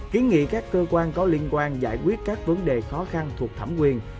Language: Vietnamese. kiến nghị các cơ quan có liên quan giải quyết các vấn đề khó khăn thuộc thẩm quyền